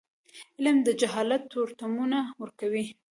علم د جهالت تورتمونه ورکوي.